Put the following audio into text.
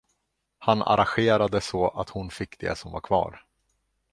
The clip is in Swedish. Han arrangerade så, att hon fick det som var kvar.